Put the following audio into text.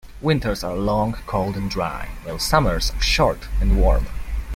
Winters are long, cold and dry, while summers are short and warm.